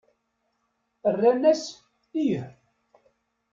Rran-as: Ih!